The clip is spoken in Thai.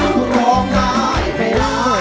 มูลค่าสองหมื่นบาท